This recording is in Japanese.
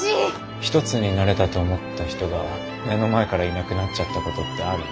一つになれたと思った人が目の前からいなくなっちゃったことってある？